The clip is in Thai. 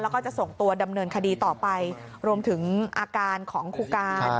แล้วก็จะส่งตัวดำเนินคดีต่อไปรวมถึงอาการของครูการ